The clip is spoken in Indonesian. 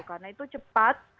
karena itu cepat